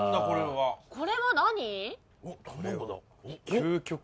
これは何？